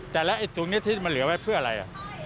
แต่ละสุขนี้ที่มันเหลือไว้เพื่ออะไร